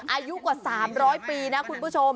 อายุกว่า๓๐๐ปีนะคุณผู้ชม